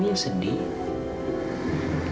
kamu yang sedih